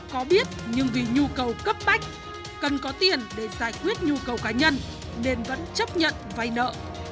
có biết nhưng vì nhu cầu cấp bách cần có tiền để giải quyết nhu cầu cá nhân nên vẫn chấp nhận vay nợ